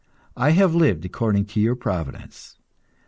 I have lived according to your providence.